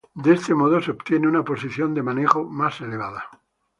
De este modo se obtiene una posición de manejo más elevada.